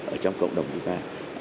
ở trong cộng đồng chúng ta